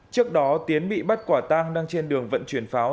trước đó tiến bị bắt quả tang đang trên đường vận chuyển pháo